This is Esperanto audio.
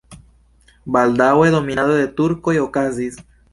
Baldaŭe dominado de turkoj okazis.